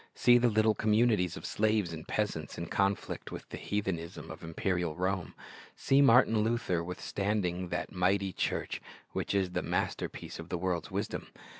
See the little communities of slaves and peasants in conflict with the heathenism of imperial Rome. See Martin Luther withstanding that mighty church which is the masterpiece of the world's wisdom.